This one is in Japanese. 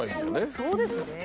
そうですね。